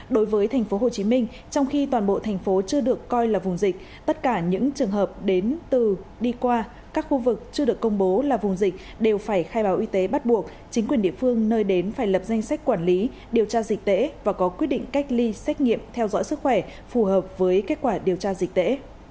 đối với tp hcm trong khi toàn bộ thành phố chưa được coi là vùng dịch tất cả những trường hợp đến từ đi qua các khu vực chưa được công bố là vùng dịch đều phải khai báo y tế bắt buộc chính quyền địa phương nơi đến phải lập danh sách quản lý điều tra dịch tễ và có quyết định cách ly xét nghiệm theo dõi sức khỏe phù hợp với kết quả điều tra dịch tễ